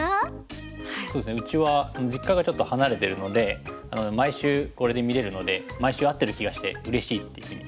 そうですねうちは実家がちょっと離れてるので毎週これで見れるので毎週会ってる気がしてうれしいっていうふうに。